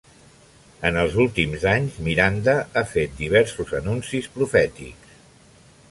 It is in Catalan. En els últims anys Miranda ha fet diversos anuncis profètics.